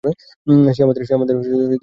সে আমাদের লোকদের ধরে ফেলেছে!